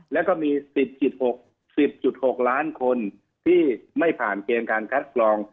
แล้วก็มี๑๐๖๐๖ล้านคนที่ไม่ผ่านเกณฑ์การคัดกรอง